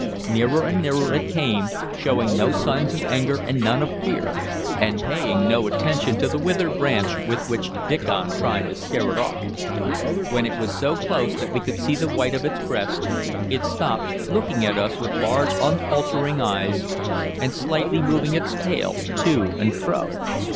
Nearer and nearer it came, showing no signs of anger and none of fear, and paying no attention to the withered branch with which Diccon tried to scare it off. When it was so close that we could see the white of its breast it stopped, looking at us with large unfaltering eyes, and slightly moving its tail to and fro.